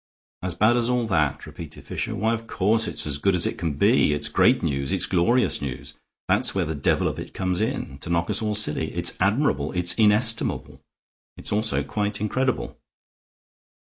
"As bad as all that?" repeated Fisher. "Why of course it's as good as it can be. It's great news. It's glorious news! That's where the devil of it comes in, to knock us all silly. It's admirable. It's inestimable. It is also quite incredible."